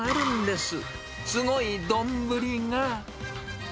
すごい丼が。